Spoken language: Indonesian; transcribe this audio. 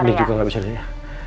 adin juga gak bisa deh ya